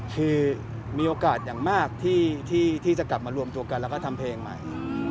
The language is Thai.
คือมีโอกาสอย่างมากที่จะกลับมารวมตัวกันแล้วก็ทำเพลงใหม่